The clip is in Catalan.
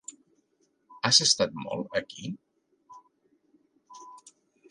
Has estat molt aquí?